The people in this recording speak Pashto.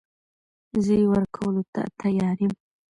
زه يې ورکولو ته تيار يم .